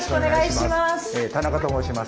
田中と申します。